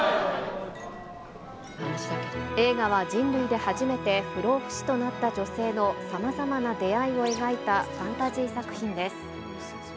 映画は、人類で初めて不老不死となった女性のさまざまな出会いを描いたファンタジー作品です。